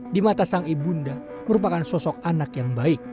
di mata sang ibunda merupakan sosok anak yang baik